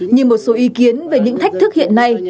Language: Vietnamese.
như một số ý kiến về những thách thức hiện nay